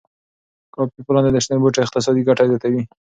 کافی پالنه د شنو بوټو اقتصادي ګټه زیاتوي.